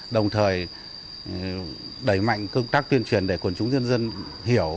đồng thời đẩy mạnh công tác tuyên truyền để quần chúng dân dân hiểu